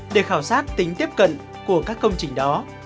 để khảo sát tính tiếp cận của các công trình đó